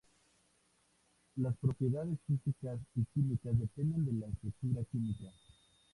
Las propiedades físicas y químicas dependen de la estructura química.